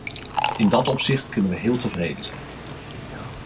In dat opzicht kunnen we heel tevreden zijn.